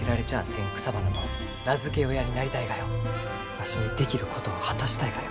わしにできることを果たしたいがよ。